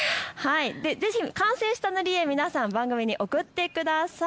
完成した塗り絵、皆さん番組に送ってください。